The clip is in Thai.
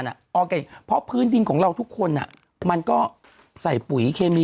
โอเคเพราะพื้นดินของเราทุกคนมันก็ใส่ปุ๋ยเคมี